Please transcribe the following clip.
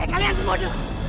eh kalian semua dulu